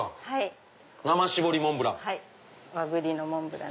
生絞りモンブラン。